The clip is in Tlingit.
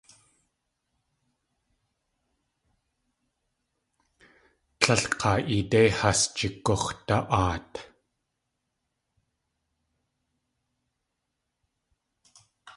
Tlél k̲aa eedé has jigux̲da.aat.